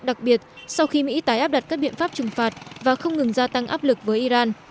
đặc biệt sau khi mỹ tái áp đặt các biện pháp trừng phạt và không ngừng gia tăng áp lực với iran